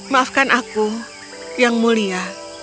maafkan aku yang mulia